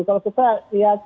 kalau kita lihat